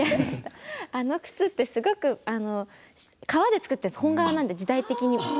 あの靴って、すごく本革で作ってあって本革で、時代的に。